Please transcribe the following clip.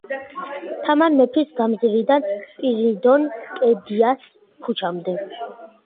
თამარ მეფის გამზირიდან სპირიდონ კედიას ქუჩამდე.